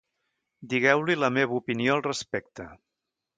Digueu-li la meva opinió al respecte.